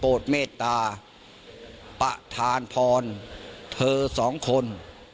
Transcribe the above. โปรดเมตตาปะทานพรเธอสองคน